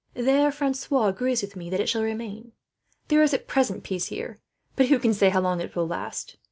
There Francois agrees with me that it should remain. "There is at present peace here, but who can say how long it will last?